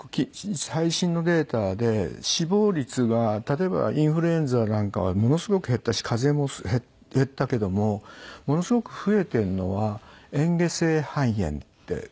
最新のデータで死亡率が例えばインフルエンザなんかはものすごく減ったし風邪も減ったけどもものすごく増えてるのは嚥下性肺炎って。